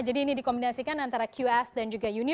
jadi ini dikombinasikan antara qs dan juga unirank